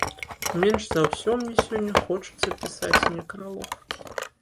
Менш за ўсё мне сёння хочацца пісаць некралог.